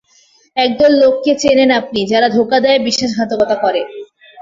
একদল লোককে চেনেন আপনি যারা ধোঁকা দেয়, বিশ্বাসঘাতকতা করে।